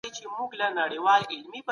ایا ته د راتلونکي وړاندوینه کولای شې؟